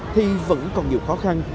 thì vẫn còn nhiều khó khăn